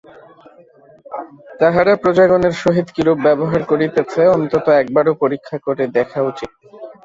তাহারা প্রজাগণের সহিত কিরূপ ব্যবহার করিতেছে অন্ততঃ এক বারও পরীক্ষা করিয়া দেখা উচিত।